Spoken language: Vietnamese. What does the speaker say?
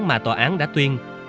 mà tòa án đã tuyên